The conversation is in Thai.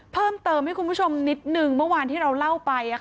เพิ่มเติมให้คุณผู้ชมนิดนึงเมื่อวานที่เราเล่าไป